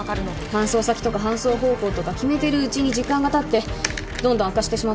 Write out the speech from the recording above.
搬送先とか搬送方法とか決めてるうちに時間がたってどんどん悪化してしまったのでは？